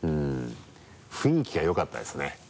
雰囲気がよかったですね